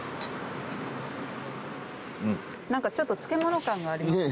何かちょっと漬物感があります。